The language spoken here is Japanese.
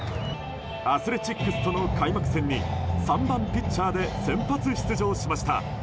アスレチックスとの開幕戦に３番ピッチャーで先発出場しました。